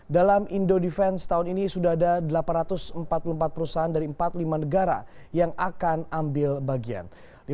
dalam indo defense tahun ini sudah ada delapan ratus empat puluh empat perusahaan dari empat puluh lima negara yang akan ambil bagian